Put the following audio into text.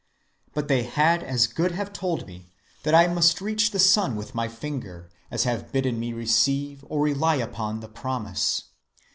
But they had as good have told me that I must reach the Sun with my finger as have bidden me receive or rely upon the Promise.